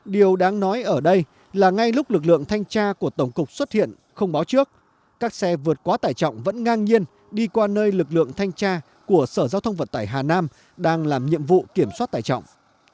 điều đáng nói ở đây là ngay lúc lực lượng thanh tra của tổng cục xuất hiện không báo trước các xe vượt quá tải trọng vẫn ngang nhiên đi qua nơi lực lượng thanh tra của sở giao thông vận tải hà nam đang làm nhiệm vụ kiểm soát tải trọng